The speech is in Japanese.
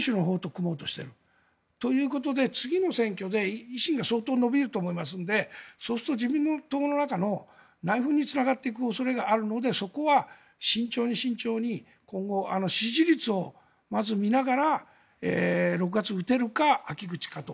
それで一方麻生さんや岸田さんの執行部は国民民主のほうと組もうとしているということで次の選挙で維新が相当、伸びると思いますのでそうすると自民党の中の内紛につながっていく恐れがあるのでそこは慎重に慎重に今後支持率をまず見ながら６月打てるか、秋口かと。